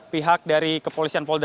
pihak dari kepolisian polda